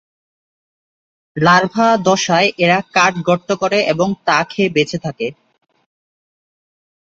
Larva দশায় এরা কাঠ গর্ত করে এবং তা খেয়ে বেঁচে থাকে।